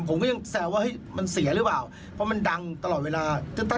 ผมก็ยังแซวว่าเฮ้ยมันเสียหรือเปล่าเพราะมันดังตลอดเวลา